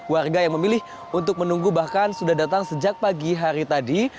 warga yang memilih untuk menunggu bahkan sudah datang sejak pagi hari tadi